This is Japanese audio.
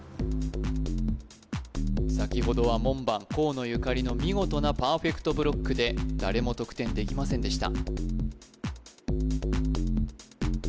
先ほどは門番・河野ゆかりの見事なＰｅｒｆｅｃｔＢｌｏｃｋで誰も得点できませんでした